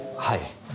はい。